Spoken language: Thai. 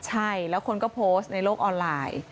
ใช่แล้วคนก็โพสต์ในโลกออนไลน์